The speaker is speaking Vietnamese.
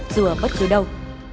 dù ở bất cứ đâu